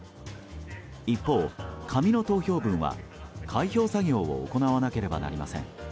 一方、紙の投票分は開票作業を行わなければなりません。